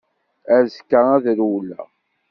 Azekka ad rewleɣ.